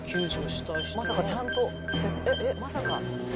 まさかちゃんとえっえっまさか。